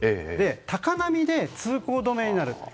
高波で通行止めになる。